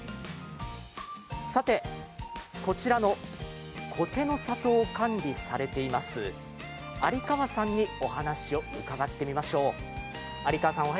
さて、こちらの苔の里を管理されています有川さんにお話を伺ってみましょう。